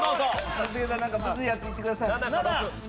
一茂さんなんかムズいやついってください。